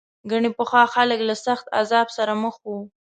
ګنې پخوا خلک له سخت عذاب سره مخ وو.